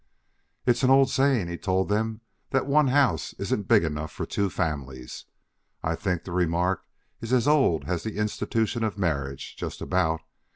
"It's an old saying," he told them, "that one house isn't big enough for two families. I think the remark is as old as the institution of marriage, just about.